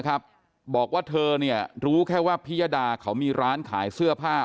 บอกว่าเธอเนี่ยรู้แค่ว่าพิยดาเขามีร้านขายเสื้อผ้า